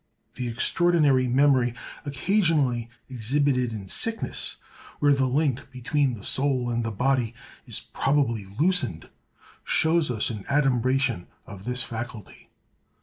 The extraordinary memory occasionally exhibited in sickness, where the link between the soul and the body is probably loosened, shows us an adumbration of this faculty.